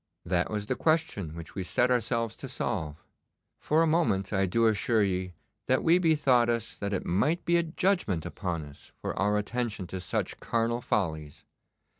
'That was the question which we set ourselves to solve. For a moment I do assure ye that we bethought us that it might be a judgment upon us for our attention to such carnal follies.